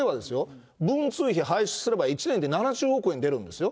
文通費廃止すれば、１年で７０億円出るんですよ。